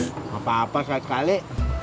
gak apa apa sekali